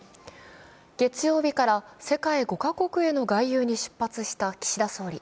月曜日から世界か国への外遊に出発した岸田総理。